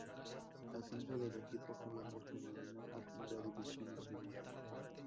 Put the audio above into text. Ascenso del equipo juvenil femenino a Primera División Nacional.